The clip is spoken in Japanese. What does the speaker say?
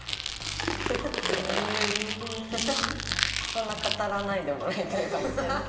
そんな語らないでもらいたいかもしれない。